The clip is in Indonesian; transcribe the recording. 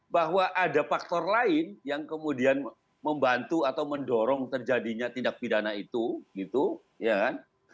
bahwa ada faktor lain yang kemudian membantu atau mendorong terjadinya tindak pidana itu gitu ya kan